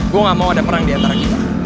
gue gak mau ada perang diantara kita